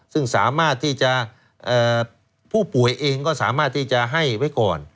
ซึ่งสามารถที่จะผู้ป่วยเองก็สามารถที่จะให้ไว้ก่อน